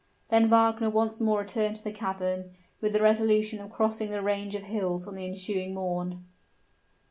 Then Wagner once more returned to the cavern, with the resolution of crossing the range of hills on the ensuing morn.